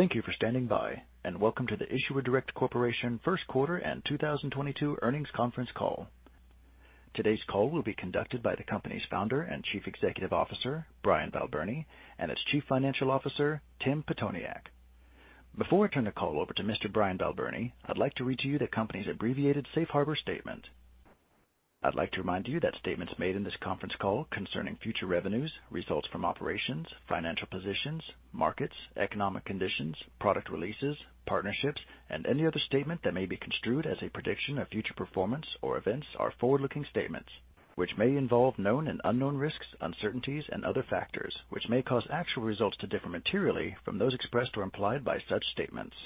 Thank you for standing by and welcome to the Issuer Direct Corporation Q1 and 2022 Earnings Conference Call. Today's call will be conducted by the company's Founder and Chief Executive Officer, Brian Balbirnie, and its Chief Financial Officer, Tim Pitoniak. Before I turn the call over to Mr. Brian Balbirnie, I'd like to read to you the company's abbreviated safe harbor statement. I'd like to remind you that statements made in this conference call concerning future revenues, results from operations, financial positions, markets, economic conditions, product releases, partnerships, and any other statement that may be construed as a prediction of future performance or events are forward-looking statements which may involve known and unknown risks, uncertainties and other factors which may cause actual results to differ materially from those expressed or implied by such statements.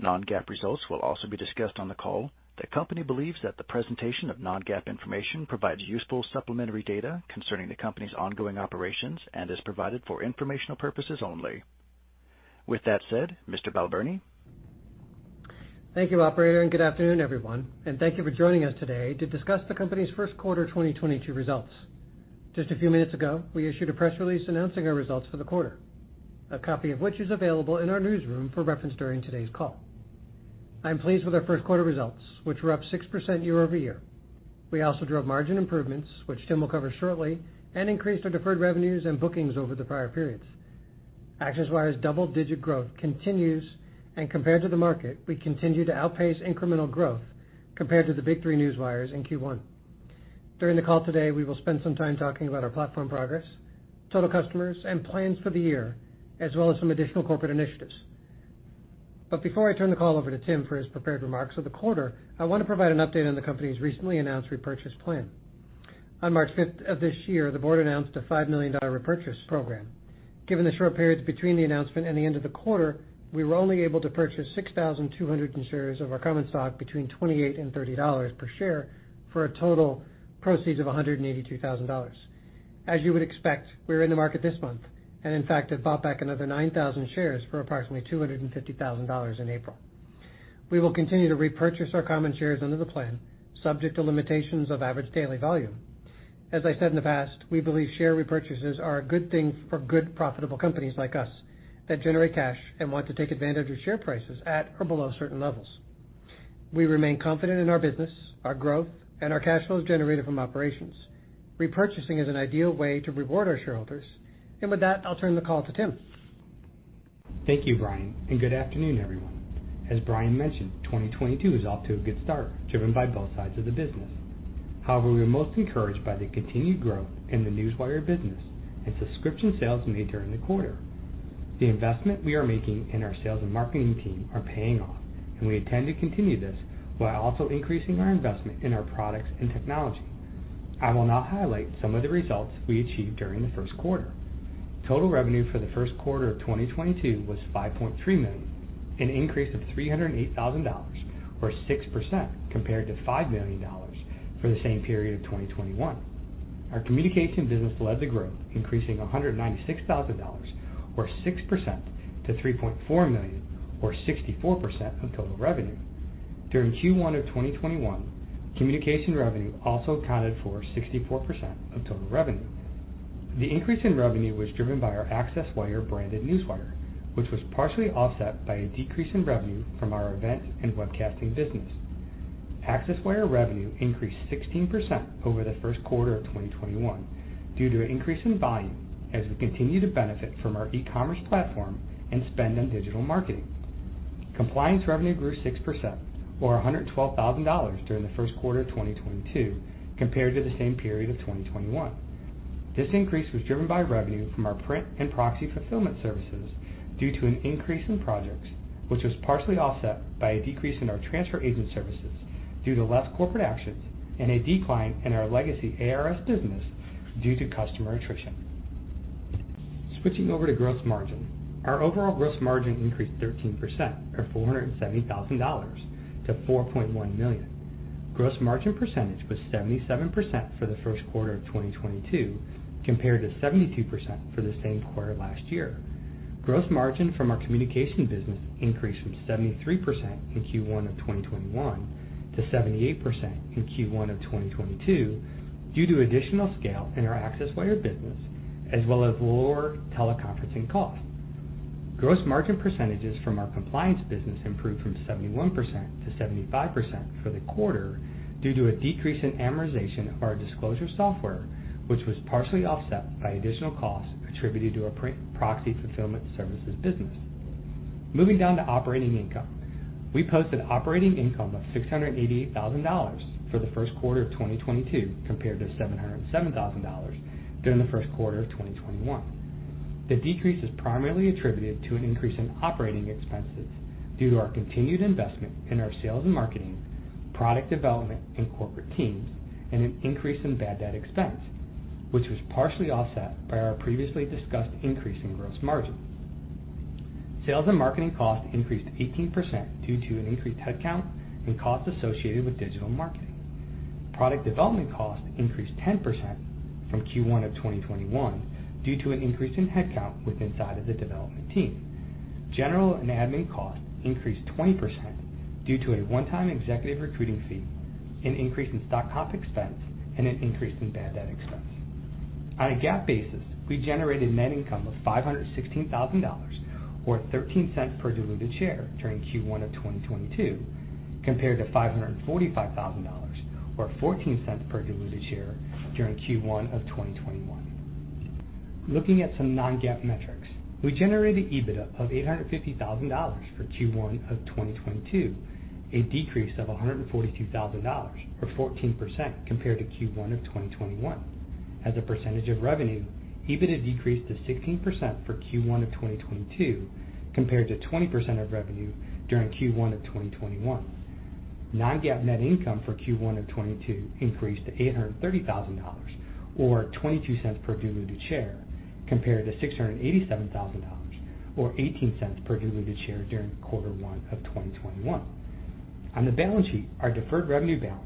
Non-GAAP results will also be discussed on the call. The company believes that the presentation of non-GAAP information provides useful supplementary data concerning the company's ongoing operations and is provided for informational purposes only. With that said, Mr. Balbirnie. Thank you, operator, and good afternoon, everyone, and thank you for joining us today to discuss the company's Q1 2022 results. Just a few minutes ago, we issued a press release announcing our results for the quarter, a copy of which is available in our newsroom for reference during today's call. I'm pleased with our Q1 results, which were up 6% year-over-year. We also drove margin improvements, which Tim will cover shortly, and increased our deferred revenues and bookings over the prior periods. ACCESSWIRE's double-digit growth continues, and compared to the market, we continue to outpace incremental growth compared to the big three newswires in Q1. During the call today, we will spend some time talking about our platform progress, total customers and plans for the year, as well as some additional corporate initiatives. Before I turn the call over to Tim for his prepared remarks for the quarter, I want to provide an update on the company's recently announced repurchase plan. On March fifth of this year, the board announced a $5 million repurchase program. Given the short periods between the announcement and the end of the quarter, we were only able to purchase 6,200 shares of our common stock between $28-$30 per share for a total proceeds of $182,000. As you would expect, we're in the market this month, and in fact have bought back another 9,000 shares for approximately $250,000 in April. We will continue to repurchase our common shares under the plan, subject to limitations of average daily volume. As I said in the past, we believe share repurchases are a good thing for good profitable companies like us that generate cash and want to take advantage of share prices at or below certain levels. We remain confident in our business, our growth, and our cash flows generated from operations. Repurchasing is an ideal way to reward our shareholders. With that, I'll turn the call to Tim. Thank you, Brian, and good afternoon, everyone. As Brian mentioned, 2022 is off to a good start, driven by both sides of the business. However, we are most encouraged by the continued growth in the Newswire business and subscription sales made during the quarter. The investment we are making in our sales and marketing team are paying off, and we intend to continue this while also increasing our investment in our products and technology. I will now highlight some of the results we achieved during the Q1. Total revenue for the Q1 of 2022 was $5.3 million, an increase of $308,000, or 6% compared to $5 million for the same period of 2021. Our communication business led to growth, increasing $196,000 or 6% to $3.4 million or 64% of total revenue. During Q1 of 2021, communication revenue also accounted for 64% of total revenue. The increase in revenue was driven by our ACCESSWIRE-branded newswire, which was partially offset by a decrease in revenue from our event and webcasting business. ACCESSWIRE revenue increased 16% over the Q1 of 2021 due to an increase in volume as we continue to benefit from our e-commerce platform and spend on digital marketing. Compliance revenue grew 6% or $112,000 during the Q1 of 2022 compared to the same period of 2021. This increase was driven by revenue from our print and proxy fulfillment services due to an increase in projects which was partially offset by a decrease in our transfer agent services due to less corporate actions and a decline in our legacy ARS business due to customer attrition. Switching over to gross margin. Our overall gross margin increased 13% or $470,000 to $4.1 million. Gross margin percentage was 77% for the Q1 of 2022, compared to 72% for the same quarter last year. Gross margin from our communication business increased from 73% in Q1 of 2021 to 78% in Q1 of 2022 due to additional scale in our ACCESSWIRE business as well as lower teleconferencing costs. Gross margin percentages from our compliance business improved from 71% to 75% for the quarter due to a decrease in amortization of our disclosure software, which was partially offset by additional costs attributed to our print proxy fulfillment services business. Moving down to operating income. We posted operating income of $688,000 for the Q1 of 2022, compared to $707,000 during the Q1 of 2021. The decrease is primarily attributed to an increase in operating expenses due to our continued investment in our sales and marketing, product development and corporate teams, and an increase in bad debt expense, which was partially offset by our previously discussed increase in gross margin. Sales and marketing costs increased 18% due to an increased headcount and costs associated with digital marketing. Product development costs increased 10% from Q1 of 2021 due to an increase in headcount within the development team. General and admin costs increased 20% due to a one-time executive recruiting fee, an increase in stock comp expense, and an increase in bad debt expense. On a GAAP basis, we generated net income of $516,000 or $0.13 per diluted share during Q1 of 2022, compared to $545,000 or $0.14 per diluted share during Q1 of 2021. Looking at some non-GAAP metrics, we generated EBITDA of $850,000 for Q1 of 2022, a decrease of $142,000 or 14% compared to Q1 of 2021. As a percentage of revenue, EBITDA decreased to 16% for Q1 of 2022, compared to 20% of revenue during Q1 of 2021. Non-GAAP net income for Q1 of 2022 increased to $830,000 or $0.22 per diluted share, compared to $687,000 or $0.18 per diluted share during quarter one of 2021. On the balance sheet, our deferred revenue balance,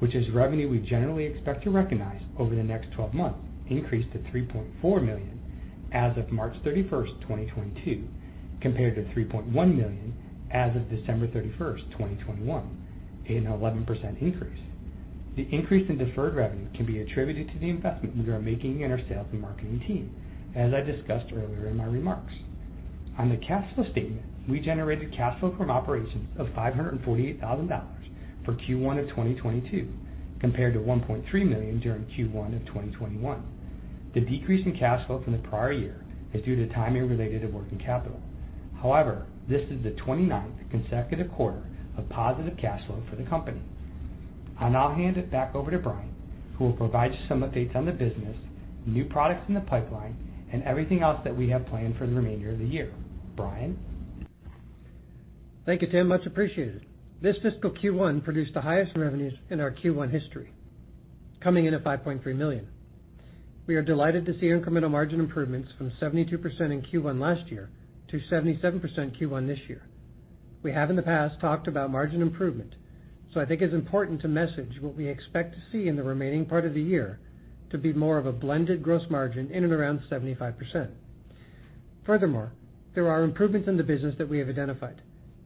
which is revenue we generally expect to recognize over the next 12 months, increased to $3.4 million as of March 31, 2022, compared to $3.1 million as of December 31, 2021, an 11% increase. The increase in deferred revenue can be attributed to the investment we are making in our sales and marketing team, as I discussed earlier in my remarks. On the cash flow statement, we generated cash flow from operations of $548 thousand for Q1 of 2022, compared to $1.3 million during Q1 of 2021. The decrease in cash flow from the prior year is due to timing related to working capital. However, this is the 29th consecutive quarter of positive cash flow for the company. I'll now hand it back over to Brian, who will provide you some updates on the business, new products in the pipeline, and everything else that we have planned for the remainder of the year. Brian? Thank you, Tim. Much appreciated. This fiscal Q1 produced the highest revenues in our Q1 history, coming in at $5.3 million. We are delighted to see incremental margin improvements from 72% in Q1 last year to 77% Q1 this year. We have in the past talked about margin improvement, so I think it's important to message what we expect to see in the remaining part of the year to be more of a blended gross margin in and around 75%. Furthermore, there are improvements in the business that we have identified.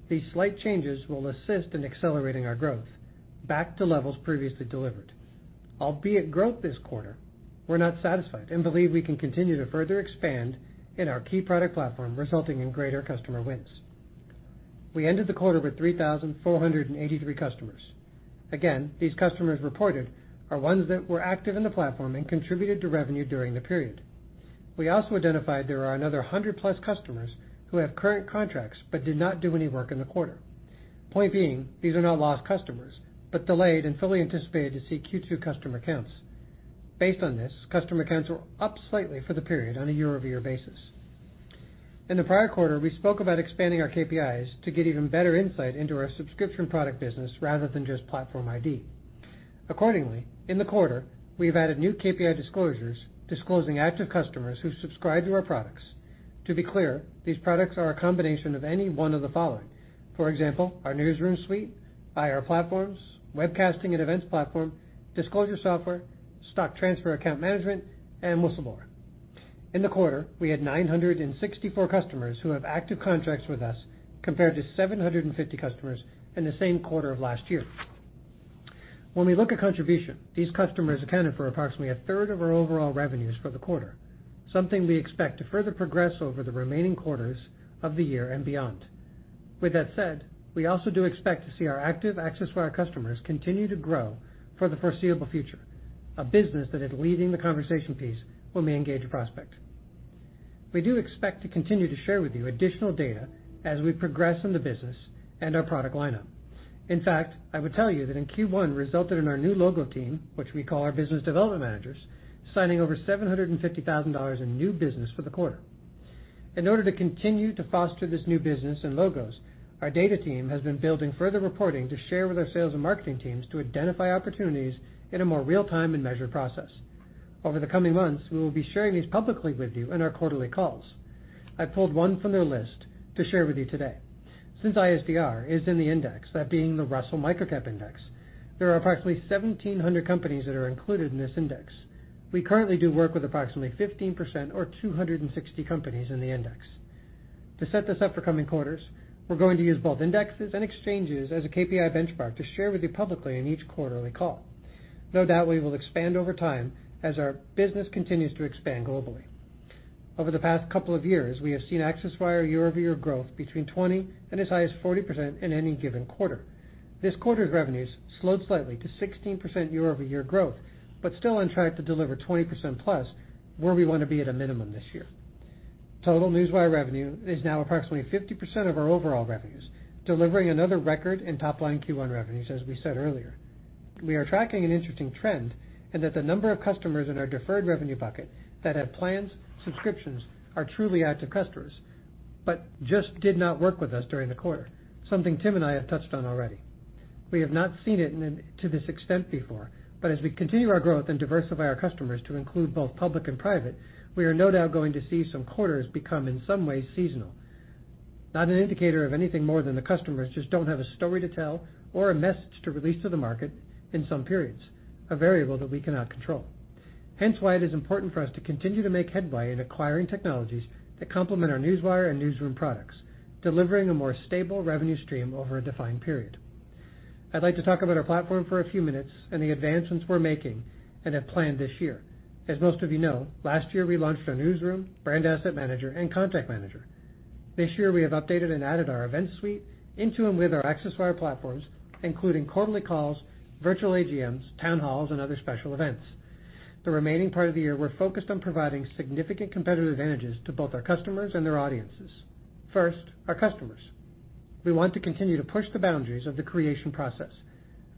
These slight changes will assist in accelerating our growth back to levels previously delivered. Albeit growth this quarter, we're not satisfied and believe we can continue to further expand in our key product platform, resulting in greater customer wins. We ended the quarter with 3,483 customers. These customers reported are ones that were active in the platform and contributed to revenue during the period. We also identified there are another 100-plus customers who have current contracts but did not do any work in the quarter. Point being, these are not lost customers, but delayed and fully anticipated to see Q2 customer counts. Based on this, customer counts were up slightly for the period on a year-over-year basis. In the prior quarter, we spoke about expanding our KPIs to get even better insight into our subscription product business rather than just platform ID. Accordingly, in the quarter, we have added new KPI disclosures disclosing active customers who subscribe to our products. To be clear, these products are a combination of any one of the following. For example, our newsroom suite, IR platforms, webcasting and events platform, disclosure software, stock transfer account management, and some more. In the quarter, we had 964 customers who have active contracts with us, compared to 750 customers in the same quarter of last year. When we look at contribution, these customers accounted for approximately 1/3 of our overall revenues for the quarter, something we expect to further progress over the remaining quarters of the year and beyond. With that said, we also do expect to see our active ACCESSWIRE customers continue to grow for the foreseeable future, a business that is leading the conversation piece when we engage a prospect. We do expect to continue to share with you additional data as we progress in the business and our product lineup. In fact, I would tell you that in Q1 resulted in our new logo team, which we call our business development managers, signing over $750,000 in new business for the quarter. In order to continue to foster this new business and logos, our data team has been building further reporting to share with our sales and marketing teams to identify opportunities in a more real-time and measured process. Over the coming months, we will be sharing these publicly with you in our quarterly calls. I pulled one from their list to share with you today. Since ISDR is in the index, that being the Russell Microcap Index, there are approximately 1,700 companies that are included in this index. We currently do work with approximately 15% or 260 companies in the index. To set this up for coming quarters, we're going to use both indexes and exchanges as a KPI benchmark to share with you publicly in each quarterly call. No doubt we will expand over time as our business continues to expand globally. Over the past couple of years, we have seen ACCESSWIRE year-over-year growth between 20 and as high as 40% in any given quarter. This quarter's revenues slowed slightly to 16% year-over-year growth, but still on track to deliver 20%+ where we want to be at a minimum this year. Total ACCESSWIRE revenue is now approximately 50% of our overall revenues, delivering another record in top line Q1 revenues as we said earlier. We are tracking an interesting trend in that the number of customers in our deferred revenue bucket that have planned subscriptions are truly active customers, but just did not work with us during the quarter, something Tim and I have touched on already. We have not seen it to this extent before, but as we continue our growth and diversify our customers to include both public and private, we are no doubt going to see some quarters become in some ways seasonal. Not an indicator of anything more than the customers just don't have a story to tell or a message to release to the market in some periods, a variable that we cannot control. Hence why it is important for us to continue to make headway in acquiring technologies that complement our newswire and newsroom products, delivering a more stable revenue stream over a defined period. I'd like to talk about our platform for a few minutes and the advancements we're making and have planned this year. As most of you know, last year, we launched our newsroom, Brand Asset Manager, and Contact Manager. This year, we have updated and added our event suite into and with our ACCESSWIRE platforms, including quarterly calls, virtual AGMs, town halls, and other special events. The remaining part of the year, we're focused on providing significant competitive advantages to both our customers and their audiences. First, our customers. We want to continue to push the boundaries of the creation process.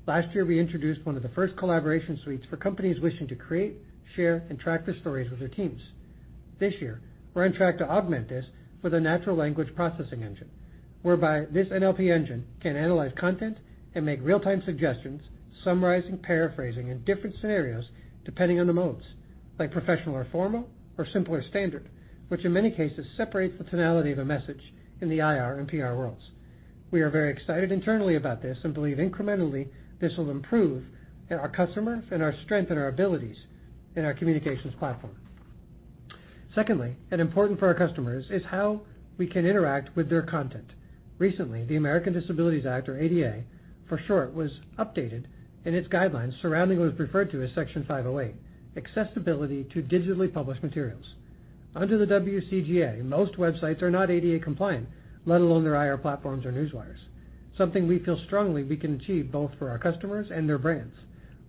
Last year, we introduced one of the first collaboration suites for companies wishing to create, share, and track their stories with their teams. This year, we're on track to augment this with a natural language processing engine, whereby this NLP engine can analyze content and make real-time suggestions, summarizing, paraphrasing, and different scenarios depending on the modes, like professional or formal or simpler standard, which in many cases separates the tonality of a message in the IR and PR worlds. We are very excited internally about this and believe incrementally this will improve our customers and our strength and our abilities in our communications platform. Secondly, and important for our customers, is how we can interact with their content. Recently, the Americans with Disabilities Act, or ADA for short, was updated in its guidelines surrounding what is referred to as Section 508, accessibility to digitally published materials. Under the WCAG, most websites are not ADA compliant, let alone their IR platforms or newswires. Something we feel strongly we can achieve both for our customers and their brands,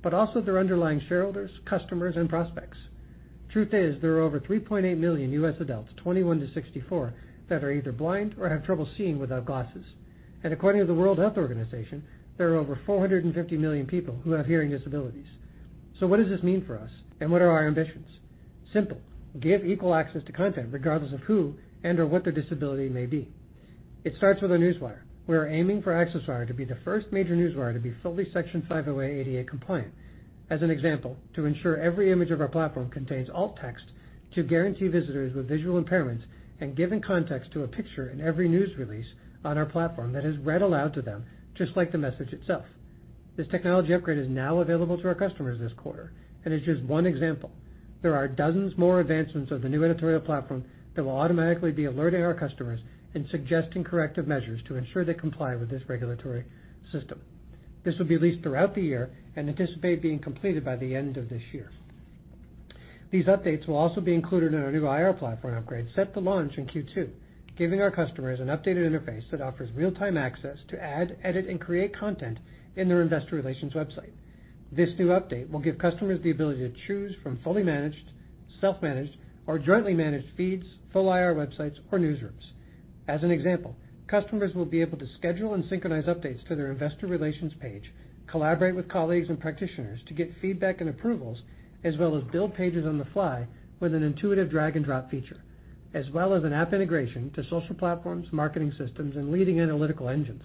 but also their underlying shareholders, customers, and prospects. Truth is, there are over 3.8 million U.S. adults, 21-64, that are either blind or have trouble seeing without glasses. According to the World Health Organization, there are over 450 million people who have hearing disabilities. What does this mean for us, and what are our ambitions? Simple. Give equal access to content regardless of who and/or what their disability may be. It starts with our newswire. We are aiming for ACCESSWIRE to be the first major newswire to be fully Section 508 ADA compliant. As an example, to ensure every image of our platform contains alt text to guarantee visitors with visual impairments and giving context to a picture in every news release on our platform that is read aloud to them, just like the message itself. This technology upgrade is now available to our customers this quarter and is just one example. There are dozens more advancements of the new editorial platform that will automatically be alerting our customers and suggesting corrective measures to ensure they comply with this regulatory system. This will be released throughout the year and anticipate being completed by the end of this year. These updates will also be included in our new IR platform upgrade set to launch in Q2, giving our customers an updated interface that offers real-time access to add, edit, and create content in their investor relations website. This new update will give customers the ability to choose from fully managed, self-managed, or jointly managed feeds, full IR websites or newsrooms. As an example, customers will be able to schedule and synchronize updates to their investor relations page, collaborate with colleagues and practitioners to get feedback and approvals, as well as build pages on the fly with an intuitive drag and drop feature, as well as an app integration to social platforms, marketing systems, and leading analytical engines.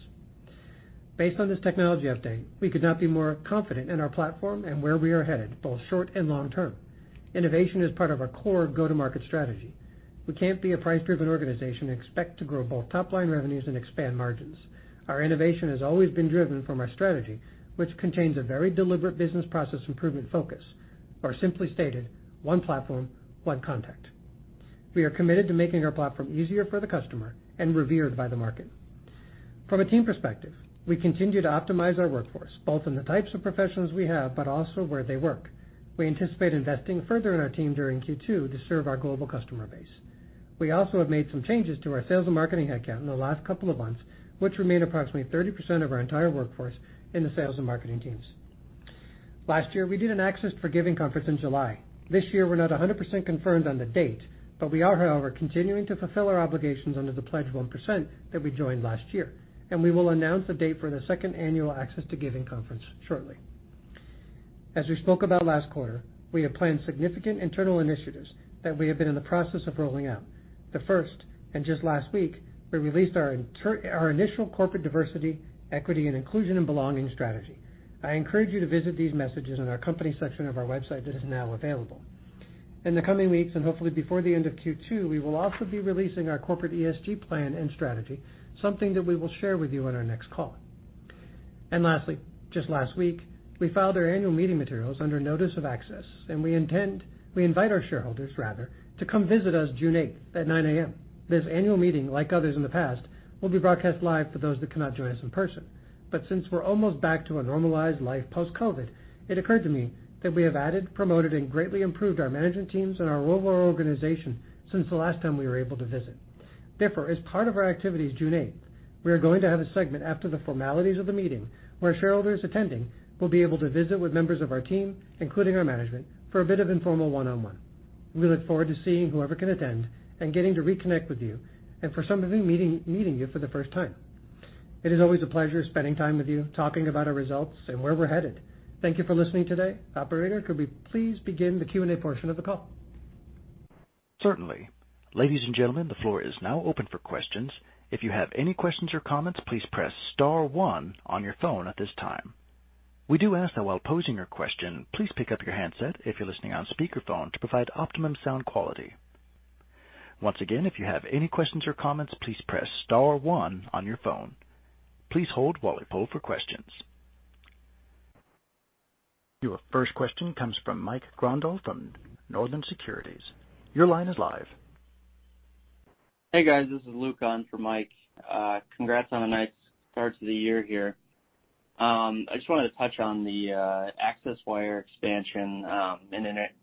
Based on this technology update, we could not be more confident in our platform and where we are headed, both short and long term. Innovation is part of our core go-to-market strategy. We can't be a price-driven organization and expect to grow both top-line revenues and expand margins. Our innovation has always been driven from our strategy, which contains a very deliberate business process improvement focus, or simply stated, one platform, one contact. We are committed to making our platform easier for the customer and revered by the market. From a team perspective, we continue to optimize our workforce, both in the types of professionals we have, but also where they work. We anticipate investing further in our team during Q2 to serve our global customer base. We also have made some changes to our sales and marketing headcount in the last couple of months, which remain approximately 30% of our entire workforce in the sales and marketing teams. Last year, we did an Access to Giving conference in July. This year, we're not 100% confirmed on the date, but we are, however, continuing to fulfill our obligations under the Pledge 1% that we joined last year. We will announce the date for the second annual Access to Giving conference shortly. As we spoke about last quarter, we have planned significant internal initiatives that we have been in the process of rolling out. The first, and just last week, we released our initial corporate diversity, equity, and inclusion and belonging strategy. I encourage you to visit these messages on our company section of our website that is now available. In the coming weeks, and hopefully before the end of Q2, we will also be releasing our corporate ESG plan and strategy, something that we will share with you on our next call. Lastly, just last week, we filed our annual meeting materials under notice and access. We invite our shareholders, rather, to come visit us June 8th at 9:00 A.M. This annual meeting, like others in the past, will be broadcast live for those that cannot join us in person. Since we're almost back to a normalized life post-COVID, it occurred to me that we have added, promoted, and greatly improved our management teams and our overall organization since the last time we were able to visit. Therefore, as part of our activities June 8th, we are going to have a segment after the formalities of the meeting where shareholders attending will be able to visit with members of our team, including our management, for a bit of informal one-on-one. We look forward to seeing whoever can attend and getting to reconnect with you, and for some of you, meeting you for the first time. It is always a pleasure spending time with you, talking about our results and where we're headed. Thank you for listening today. Operator, could we please begin the Q&A portion of the call? Certainly. Ladies and gentlemen, the floor is now open for questions. If you have any questions or comments, please press star one on your phone at this time. We do ask that while posing your question, please pick up your handset if you're listening on speakerphone to provide optimum sound quality. Once again, if you have any questions or comments, please press star one on your phone. Please hold while we poll for questions. Your first question comes from Mike Grondahl from Northland Securities. Your line is live. Hey guys, this is Luke on for Mike. Congrats on a nice start to the year here. I just wanted to touch on the ACCESSWIRE expansion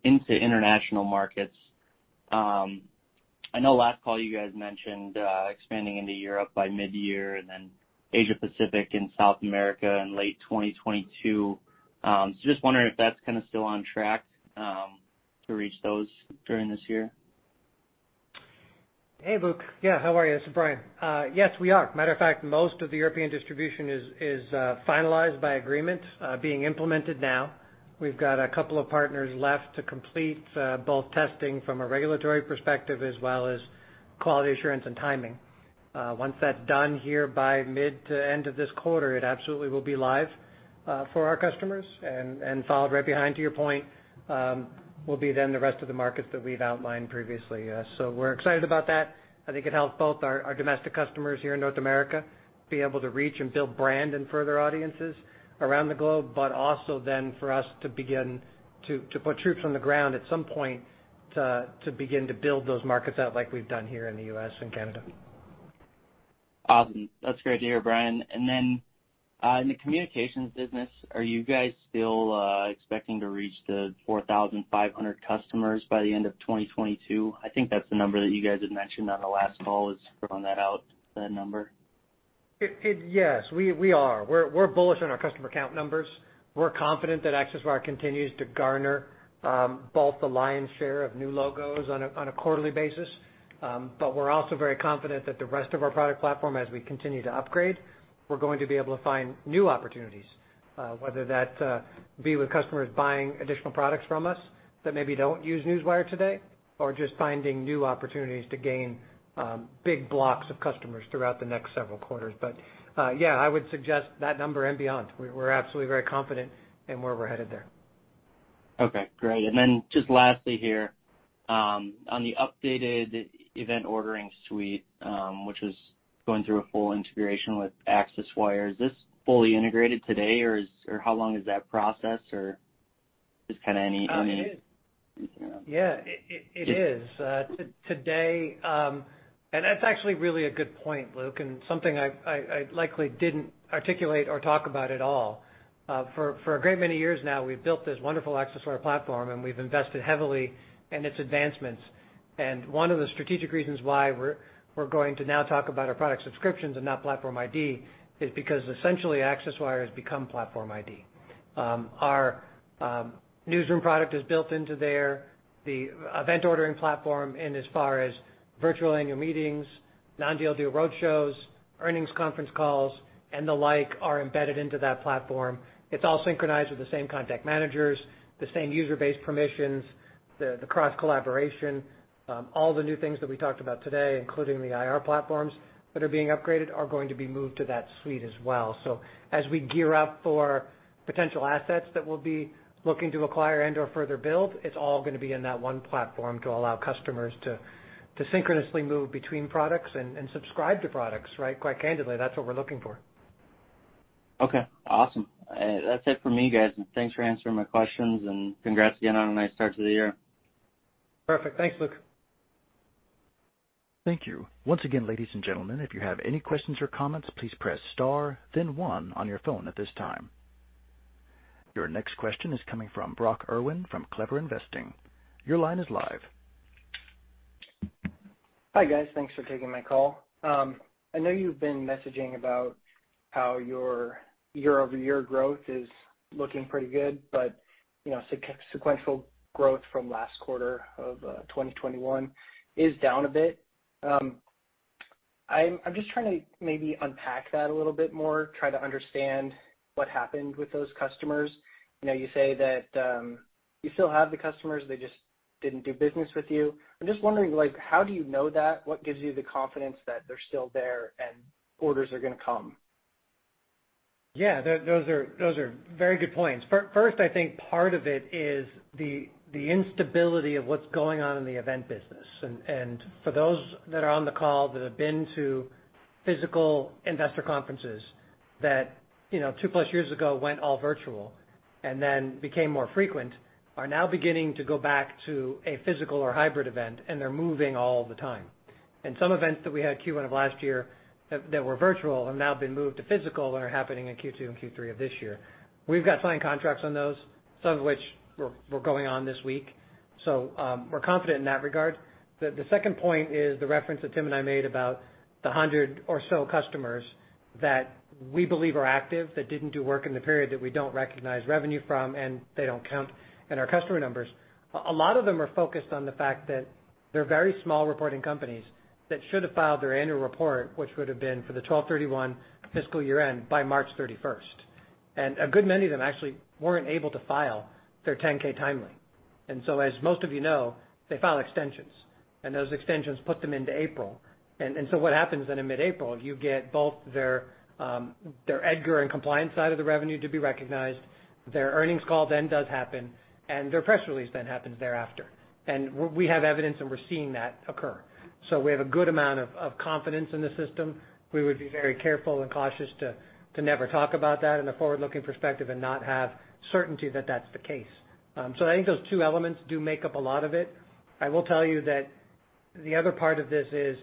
into international markets. I know last call you guys mentioned expanding into Europe by mid-year and then Asia-Pacific and South America in late 2022. So just wondering if that's kinda still on track to reach those during this year. Hey, Luke. Yeah, how are you? This is Brian. Yes, we are. Matter of fact, most of the European distribution is finalized by agreement, being implemented now. We've got a couple of partners left to complete both testing from a regulatory perspective as well as quality assurance and timing. Once that's done here by mid to end of this quarter, it absolutely will be live for our customers and followed right behind, to your point, will be then the rest of the markets that we've outlined previously. We're excited about that. I think it helps both our domestic customers here in North America be able to reach and build brand and further audiences around the globe, but also then for us to begin to put troops on the ground at some point to begin to build those markets out like we've done here in the U.S. and Canada. Awesome. That's great to hear, Brian. In the communications business, are you guys still expecting to reach the 4,500 customers by the end of 2022? I think that's the number that you guys had mentioned on the last call. I'm throwing that out, that number. Yes. We are. We're bullish on our customer count numbers. We're confident that ACCESSWIRE continues to garner both the lion's share of new logos on a quarterly basis, but we're also very confident that the rest of our product platform, as we continue to upgrade, we're going to be able to find new opportunities, whether that be with customers buying additional products from us that maybe don't use ACCESSWIRE today, or just finding new opportunities to gain big blocks of customers throughout the next several quarters. Yeah, I would suggest that number and beyond. We're absolutely very confident in where we're headed there. Okay, great. Just lastly here, on the updated event suite, which is going through a full integration with ACCESSWIRE, is this fully integrated today, or how long is that process or just kinda any? Yeah. It is. Today, that's actually really a good point, Luke, and something I likely didn't articulate or talk about at all. For a great many years now, we've built this wonderful ACCESSWIRE platform, and we've invested heavily in its advancements. One of the strategic reasons why we're going to now talk about our product subscriptions and not platform ID is because essentially ACCESSWIRE has become platform ID. Our newsroom product is built into there, the event ordering platform, and as far as virtual annual meetings, non-deal roadshows, earnings conference calls, and the like are embedded into that platform. It's all synchronized with the same contact managers, the same user base permissions, the cross-collaboration, all the new things that we talked about today, including the IR platforms that are being upgraded, are going to be moved to that suite as well. As we gear up for potential assets that we'll be looking to acquire and/or further build, it's all gonna be in that one platform to allow customers to synchronously move between products and subscribe to products, right? Quite candidly, that's what we're looking for. Okay. Awesome. That's it for me, guys. Thanks for answering my questions and congrats again on a nice start to the year. Perfect. Thanks, Luke. Thank you. Once again, ladies and gentlemen, if you have any questions or comments, please press star then one on your phone at this time. Your next question is coming from Brock Erwin from Clever Investing. Your line is live. Hi, guys. Thanks for taking my call. I know you've been messaging about how your year-over-year growth is looking pretty good, but sequential growth from last quarter of 2021 is down a bit. I'm just trying to maybe unpack that a little bit more, try to understand what happened with those customers. I know you say that you still have the customers, they just didn't do business with you. I'm just wondering, like, how do you know that? What gives you the confidence that they're still there and orders are gonna come? Those are very good points. First, I think part of it is the instability of what's going on in the event business. For those that are on the call that have been to physical investor conferences that, you know, 2+ years ago went all virtual and then became more frequent, are now beginning to go back to a physical or hybrid event, and they're moving all the time. Some events that we had Q1 of last year that were virtual have now been moved to physical and are happening in Q2 and Q3 of this year. We've got signed contracts on those, some of which we're going on this week. We're confident in that regard. The second point is the reference that Tim and I made about the 100 or so customers that we believe are active that didn't do work in the period that we don't recognize revenue from, and they don't count in our customer numbers. A lot of them are focused on the fact that they're very small reporting companies that should have filed their annual report, which would have been for the 12/31 fiscal year-end by March 31. A good many of them actually weren't able to file their 10-K timely. As most of you know, they file extensions, and those extensions put them into April. What happens then in mid-April, you get both their EDGAR and compliance side of the revenue to be recognized. Their earnings call then does happen, and their press release then happens thereafter. We have evidence and we're seeing that occur. We have a good amount of confidence in the system. We would be very careful and cautious to never talk about that in a forward-looking perspective and not have certainty that that's the case. I think those two elements do make up a lot of it. I will tell you that the other part of this is,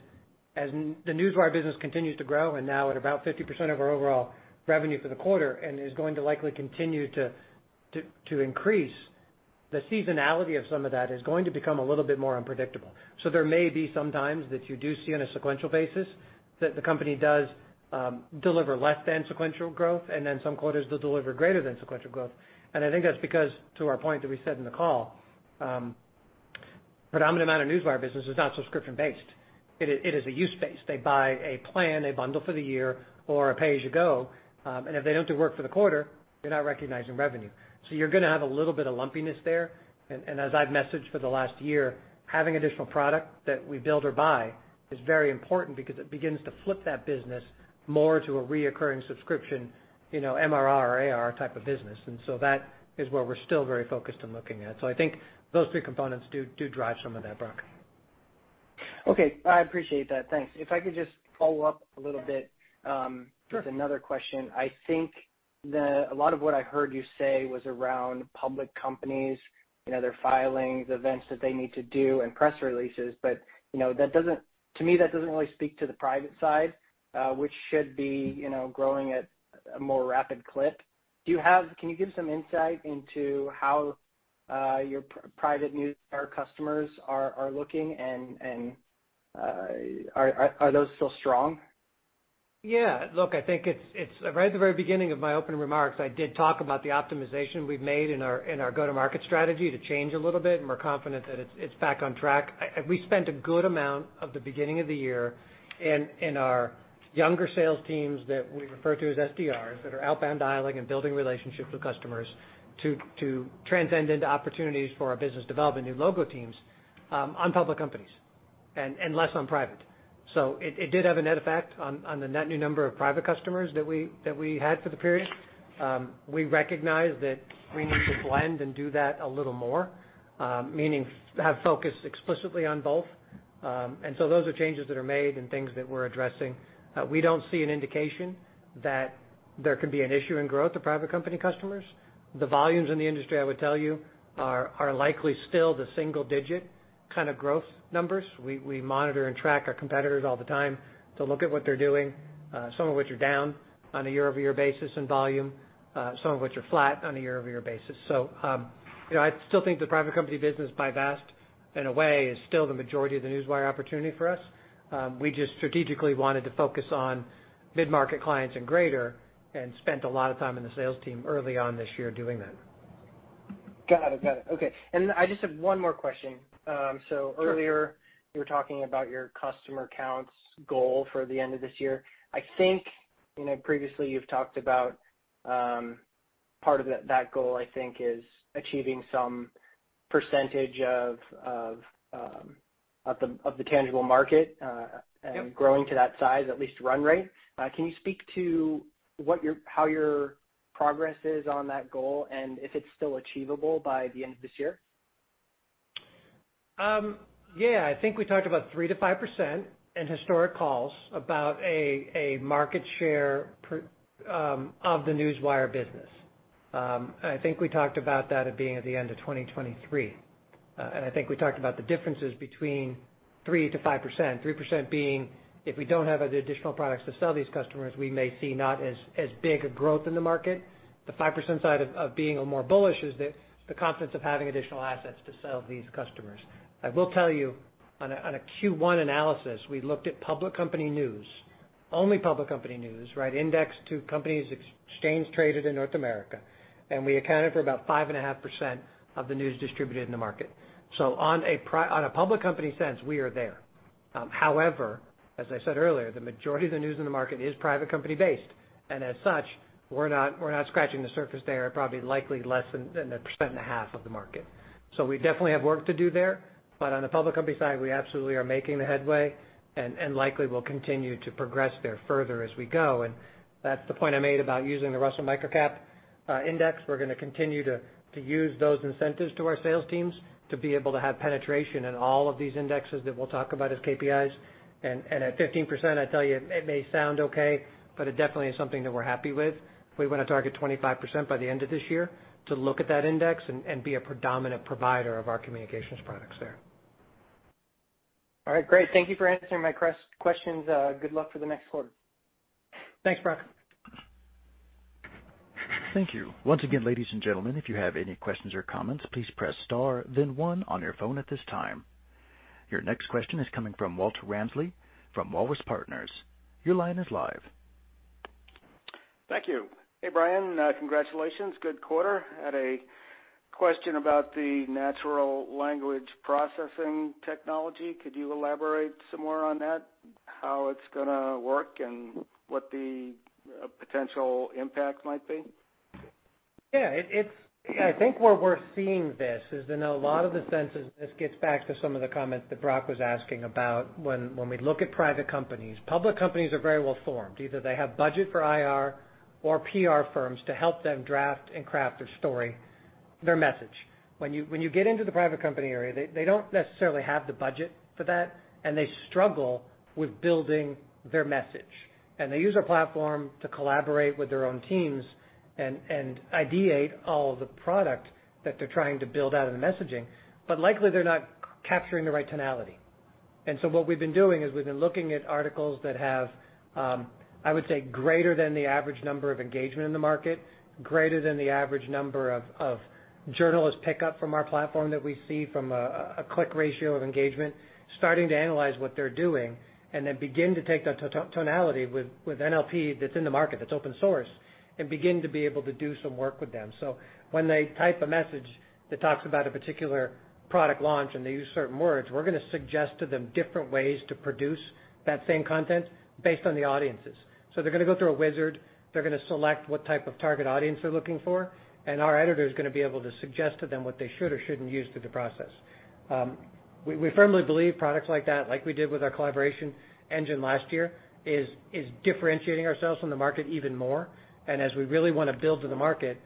as the ACCESSWIRE business continues to grow and now at about 50% of our overall revenue for the quarter, and is going to likely continue to increase, the seasonality of some of that is going to become a little bit more unpredictable. There may be some times that you do see on a sequential basis that the company does deliver less than sequential growth, and then some quarters they'll deliver greater than sequential growth. I think that's because, to our point that we said in the call, predominant amount of ACCESSWIRE business is not subscription-based. It is a usage-based. They buy a plan, a bundle for the year or a pay-as-you-go, and if they don't do work for the quarter, you're not recognizing revenue. You're gonna have a little bit of lumpiness there, and as I've messaged for the last year, having additional product that we build or buy is very important because it begins to flip that business more to a recurring subscription MRR or ARR type of business. That is where we're still very focused on looking at. I think those three components do drive some of that, Brock. Okay. I appreciate that. Thanks. If I could just follow up a little bit. Sure. With another question. I think a lot of what I heard you say was around public companies, you know, their filings, events that they need to do and press releases, but that doesn't really speak to the private side, which should be growing at a more rapid clip. Can you give some insight into how your private newswire customers are looking and are those still strong? Yeah. Look, I think it's right at the very beginning of my opening remarks, I did talk about the optimization we've made in our go-to-market strategy to change a little bit, and we're confident that it's back on track. We spent a good amount of the beginning of the year in our younger sales teams that we refer to as SDRs, that are outbound dialing and building relationships with customers to transcend into opportunities for our business development, new logo teams, on public companies and less on private. It did have a net effect on the net new number of private customers that we had for the period. We recognize that we need to blend and do that a little more, meaning have focus explicitly on both. Those are changes that are made and things that we're addressing. We don't see an indication that there could be an issue in growth of private company customers. The volumes in the industry, I would tell you, are likely still the single-digit kind of growth numbers. We monitor and track our competitors all the time to look at what they're doing, some of which are down on a year-over-year basis in volume, some of which are flat on a year-over-year basis. You know, I still think the private company business by far in a way is still the majority of the Newswire opportunity for us. We just strategically wanted to focus on mid-market clients and greater, and spent a lot of time in the sales team early on this year doing that. Got it. Okay. I just have one more question. Sure. Earlier, you were talking about your customer counts goal for the end of this year. I think previously you've talked about part of that goal, I think, is achieving some percentage of the tangible market. Growing to that size, at least run rate. Can you speak to how your progress is on that goal and if it's still achievable by the end of this year? I think we talked about 3%-5% in historical calls about a market share of the Newswire business. I think we talked about that at being at the end of 2023. I think we talked about the differences between 3%-5%, 3% being if we don't have the additional products to sell these customers, we may see not as big a growth in the market. The 5% side of being a more bullish is the confidence of having additional assets to sell to these customers. I will tell you on a Q1 analysis, we looked at public company news, only public company news, right? Indexed to companies exchange traded in North America, and we accounted for about 5.5% of the news distributed in the market. On a public company sense, we are there. However, as I said earlier, the majority of the news in the market is private company based, and as such, we're not scratching the surface there, probably likely less than 1.5% of the market. We definitely have work to do there. On the public company side, we absolutely are making the headway and likely will continue to progress there further as we go. That's the point I made about using the Russell Microcap Index. We're gonna continue to use those incentives to our sales teams to be able to have penetration in all of these indexes that we'll talk about as KPIs. At 15%, I tell you, it may sound okay, but it definitely is something that we're happy with. We wanna target 25% by the end of this year to look at that index and be a predominant provider of our communications products there. All right. Great. Thank you for answering my questions. Good luck for the next quarter. Thanks, Brock. Thank you. Once again, ladies and gentlemen, if you have any questions or comments, please press star then one on your phone at this time. Your next question is coming from Walter Ramsley, from Walrus Partners. Your line is live. Thank you. Hey, Brian. Congratulations. Good quarter. A question about the natural language processing technology. Could you elaborate some more on that? How it's gonna work and what the potential impact might be? Yeah. It's, I think, where we're seeing this is in a lot of the senses. This gets back to some of the comments that Brock was asking about when we look at private companies. Public companies are very well-formed. Either they have budget for IR or PR firms to help them draft and craft their story, their message. When you get into the private company area, they don't necessarily have the budget for that, and they struggle with building their message. They use our platform to collaborate with their own teams and ideate all of the product that they're trying to build out in the messaging, but likely, they're not capturing the right tonality. What we've been doing is we've been looking at articles that have, I would say, greater than the average number of engagement in the market, greater than the average number of journalists pick up from our platform that we see from a click ratio of engagement, starting to analyze what they're doing, and then begin to take that tonality with NLP that's in the market, that's open source, and begin to be able to do some work with them. When they type a message that talks about a particular product launch and they use certain words, we're gonna suggest to them different ways to produce that same content based on the audiences. They're gonna go through a wizard, they're gonna select what type of target audience they're looking for, and our editor is gonna be able to suggest to them what they should or shouldn't use through the process. We firmly believe products like that, like we did with our collaboration engine last year, is differentiating ourselves from the market even more. As we really wanna build to the market,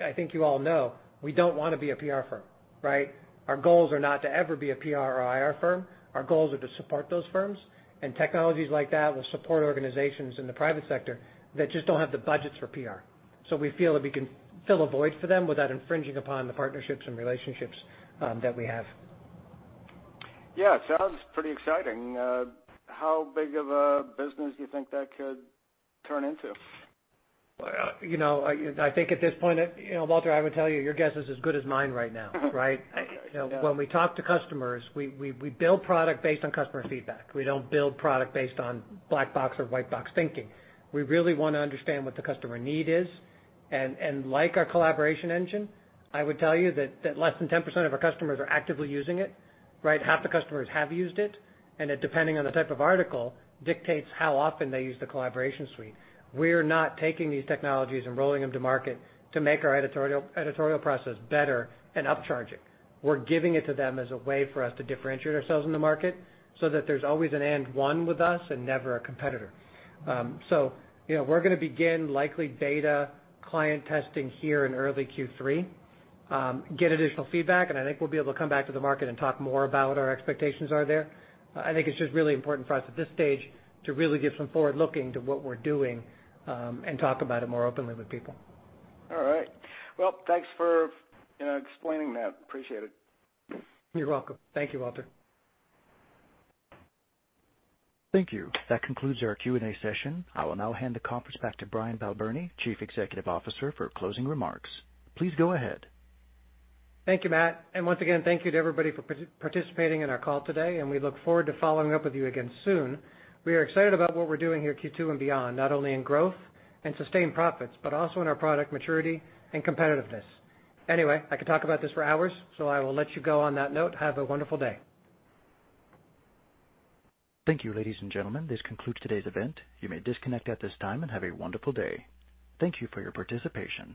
I think you all know, we don't wanna be a PR firm, right? Our goals are not to ever be a PR or IR firm. Our goals are to support those firms, and technologies like that will support organizations in the private sector that just don't have the budgets for PR. We feel that we can fill a void for them without infringing upon the partnerships and relationships that we have. Yeah. It sounds pretty exciting. How big of a business do you think that could turn into? Well, you know, I think at this point, Walter, I would tell you, your guess is as good as mine right now, right? Yeah. When we talk to customers, we build product based on customer feedback. We don't build product based on black box or white box thinking. We really wanna understand what the customer need is. Like our collaboration engine, I would tell you that less than 10% of our customers are actively using it, right? Half the customers have used it, and that depending on the type of article dictates how often they use the collaboration suite. We're not taking these technologies and rolling them to market to make our editorial process better and upcharge it. We're giving it to them as a way for us to differentiate ourselves in the market so that there's always an end one with us and never a competitor. You know, we're gonna begin likely beta client testing here in early Q3, get additional feedback, and I think we'll be able to come back to the market and talk more about what our expectations are there. I think it's just really important for us at this stage to really give some forward-looking to what we're doing, and talk about it more openly with people. All right. Well, thanks for, you know, explaining that. Appreciate it. You're welcome. Thank you, Walter. Thank you. That concludes our Q&A session. I will now hand the conference back to Brian Balbirnie, Chief Executive Officer, for closing remarks. Please go ahead. Thank you, Matt. Once again, thank you to everybody for participating in our call today, and we look forward to following up with you again soon. We are excited about what we're doing here Q2 and beyond, not only in growth and sustained profits, but also in our product maturity and competitiveness. Anyway, I could talk about this for hours, so I will let you go on that note. Have a wonderful day. Thank you, ladies and gentlemen. This concludes today's event. You may disconnect at this time and have a wonderful day. Thank you for your participation.